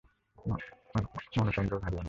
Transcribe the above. মনঃসংযোগ হারিয়ো না।